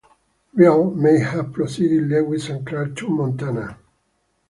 Vial may have preceded Lewis and Clark to Montana.